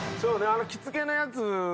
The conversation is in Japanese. あの着付けのやつ。